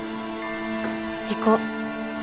行こう。